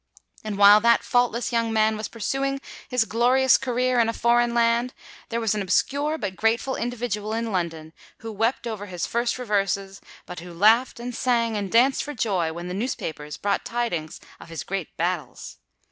And while that faultless young man was pursuing his glorious career in a foreign land, there was an obscure but grateful individual in London who wept over his first reverses, but who laughed, and sang, and danced for joy when the newspapers brought the tidings of his great battles.